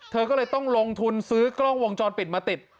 เธอก็เลยต้องลงทุนซื้อกล้องวงจรปิดมาติด